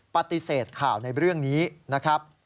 ปฏิเสธข่าวในเรื่องนี้นะครับ